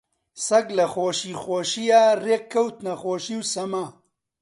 سەگ لە خۆشی خۆشییا ڕێک کەوتنە خۆشی و سەما